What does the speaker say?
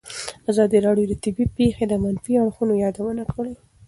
ازادي راډیو د طبیعي پېښې د منفي اړخونو یادونه کړې.